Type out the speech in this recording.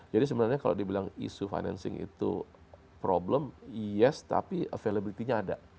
jadi sebenarnya kalau dibilang isu financing itu problem yes tapi availability nya ada